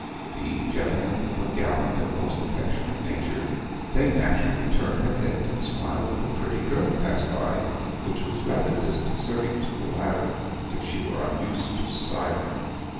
Being gentlemen of a gallant and most affectionate nature, they naturally turned their heads and smiled if a pretty girl passed by, which was rather disconcerting to the latter if she were unused to society.